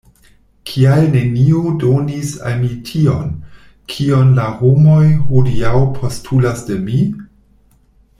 Kial neniu donis al mi tion, kion la homoj hodiaŭ postulas de mi?